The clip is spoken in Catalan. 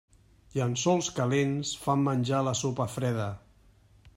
Llençols calents fan menjar la sopa freda.